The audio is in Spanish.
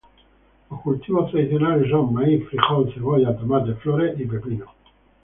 Los cultivos tradicionales son: maíz, frijol, cebolla, tomate, flores y pepino.